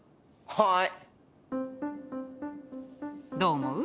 はい。